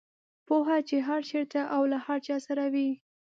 پوهه چې هر چېرته او له هر چا سره وي.